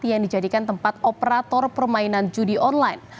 yang dijadikan tempat operator permainan judi online